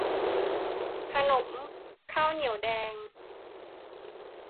ขนมข้าวเหนียวแดง